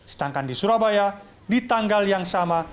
sedangkan di surabaya di tanggal yang sama